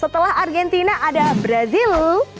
setelah argentina ada brazil